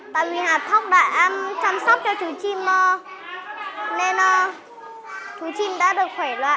tại vì hạt thóc bạn chăm sóc cho chú chim nên chú chim đã được khỏe lại